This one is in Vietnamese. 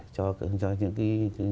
cho những cái